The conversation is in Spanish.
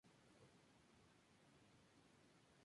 La parte septentrional forma parte del Voivodato de Podlaquia.